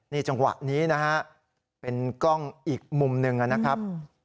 นี่จังหวะนี้นะฮะเป็นกล้องอีกมุมหนึ่งนะครับ